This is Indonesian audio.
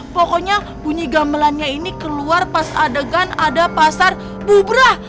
pokoknya bunyi gamelannya ini keluar pas adegan ada pasar bubrah